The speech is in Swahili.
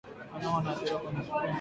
Wanyama wanaoathiriwa kwenye kundi